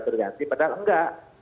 berganti padahal enggak